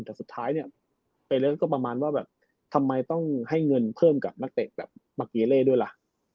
แต่สุดท้ายเนี่ยไปเลสก็ประมาณว่าแบบทำไมต้องให้เงินเพิ่มกับนักเตะแบบมาเกเล่ด้วยล่ะ